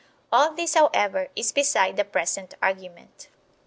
All this, however, is beside the present argument.